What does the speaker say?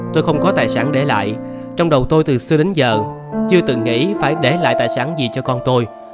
tôi không có tài sản để lại trong đầu tôi từ xưa đến giờ chưa từng nghĩ phải để lại tài sản gì cho con tôi